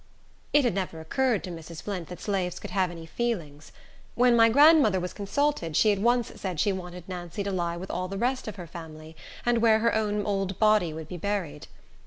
It had never occurred to Mrs. Flint that slaves could have any feelings. When my grandmother was consulted, she at once said she wanted Nancy to lie with all the rest of her family, and where her own old body would be buried.